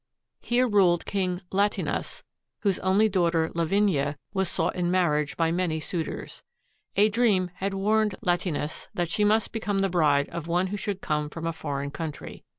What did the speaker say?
Here ruled King Latinus, whose only daughter Lavinia was sought in marriage by many suitors. A dream had warned Latinus that she must become the bride of one who should come from a foreign country.